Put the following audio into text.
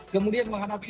kemudian menghanaki fitur